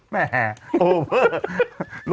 แม่แห่เผอร์